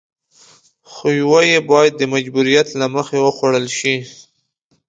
خو يوه يې بايد د مجبوريت له مخې وخوړل شي.